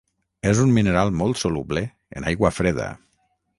És un mineral molt soluble en aigua freda.